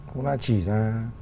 cũng đã chỉ ra